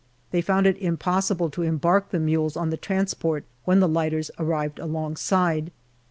They found it impossible to embark the mules on the transport when the lighters arrived alongside.